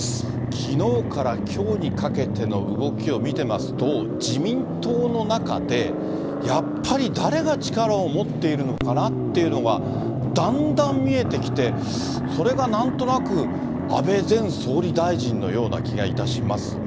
きのうからきょうにかけての動きを見てますと、自民党の中でやっぱり誰が力を持っているのかなっていうのがだんだん見えてきて、それがなんとなく安倍前総理大臣のような気がいたしますが。